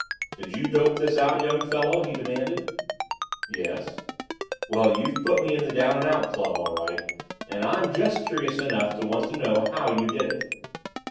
"Did you dope this out, young fellow?" he demanded. "Yes." "Well, you've put me in the Down and Out Club, all right. And I'm just curious enough to want to know how you did it."